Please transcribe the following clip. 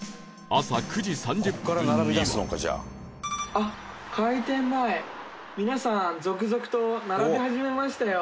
あっ開店前皆さん続々と並び始めましたよ。